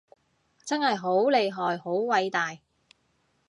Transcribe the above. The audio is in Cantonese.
真係好厲害好偉大